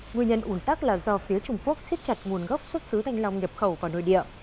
nguyên nhân ủn tắc là do phía trung quốc xích chặt nguồn gốc xuất xứ thanh long nhập khẩu vào nội địa